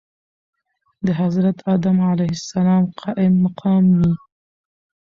دحضرت ادم عليه السلام قايم مقام وي .